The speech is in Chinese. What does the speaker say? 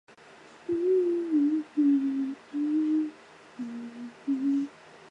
是网走国定公园的一部分。